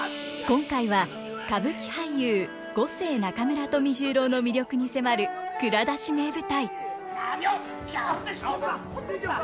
今回は歌舞伎俳優五世中村富十郎の魅力に迫る「蔵出し！名舞台」。